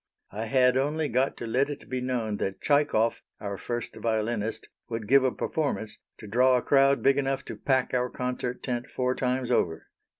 I had only got to let it be known that Tchaikov our first violinist would give a performance to draw a crowd big enough to pack our concert tent four times over.